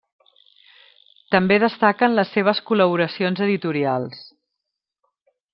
També destaquen les seves col·laboracions editorials.